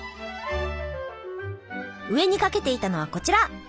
上にかけていたのはこちら！